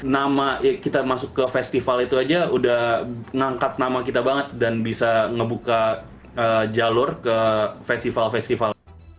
nama kita masuk ke festival itu aja udah ngangkat nama kita banget dan bisa ngebuka jalur ke festival festival